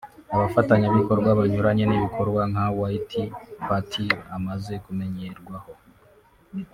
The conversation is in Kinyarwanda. abafatanyabikorwa banyuranye n’ibikorwa nka White Party amaze kumenyerwaho